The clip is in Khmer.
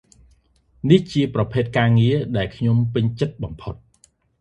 នេះជាប្រភេទការងារដែលខ្ញុំពេញចិត្តបំផុត។